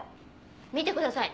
見てください。